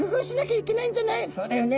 「そうだよね。